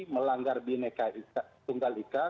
melanggar bini tunggal ika